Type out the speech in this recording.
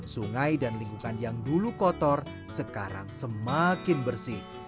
sungai dan lingkungan yang dulu kotor sekarang semakin bersih